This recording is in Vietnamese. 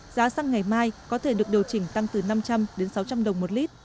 giá xăng ngày mai có thể được điều chỉnh tăng từ năm trăm linh đến sáu trăm linh đồng một lít